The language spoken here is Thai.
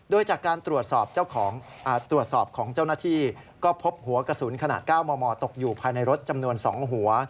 โดยจากการตรวจสอบของเจ้าหน้าที่ก็พบหัวกระสุนขนาด๙มมตกอยู่ภายในรถจำนวน๒หัว